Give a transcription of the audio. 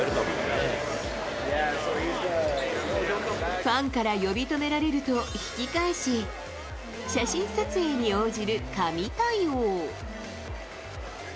ファンから呼び止められると引き返し、写真撮影に応じる神対応。